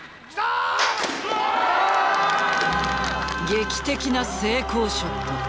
劇的な成功ショット。